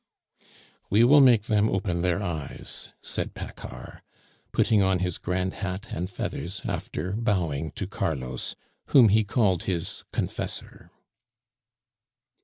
"We will make them open their eyes," said Paccard, putting on his grand hat and feathers after bowing to Carlos, whom he called his Confessor.